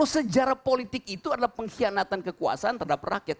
sejarah politik itu adalah pengkhianatan kekuasaan terhadap rakyat